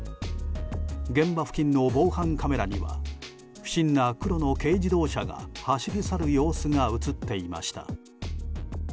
現場付近の防犯カメラには不審な黒の軽自動車が走り去る様子が映っていました。